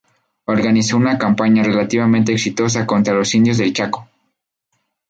Organizó una campaña relativamente exitosa contra los indios del Chaco.